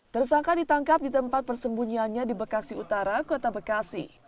tersangka ditangkap di tempat persembunyiannya di bekasi utara kota bekasi